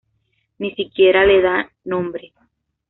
Ni siquiera le da nombre.